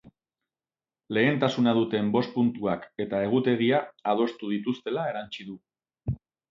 Lehentasuna duten bost puntuak eta egutegia adostu dituztela erantsi du.